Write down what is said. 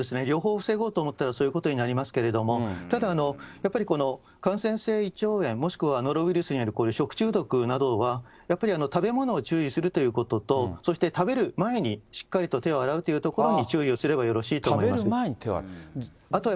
両方防ごうと思ったら、そういうことになりますけれども、ただ、やっぱり感染性胃腸炎、もしくはノロウイルスによる食中毒などは、やっぱり食べ物を注意するということと、そして食べる前にしっかりと手を洗うというところに注意をすれば食べる前に手を洗う。